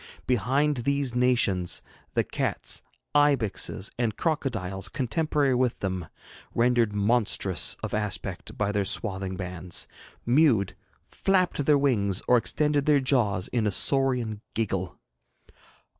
Behind these nations, the cats, ibixes, and crocodiles contemporary with them rendered monstrous of aspect by their swathing bands mewed, flapped their wings, or extended their jaws in a saurian giggle.